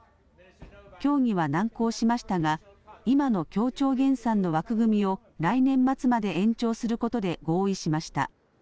協議は難航しましたが今の協調減産の枠組みを来年末まで延長することで合意しました。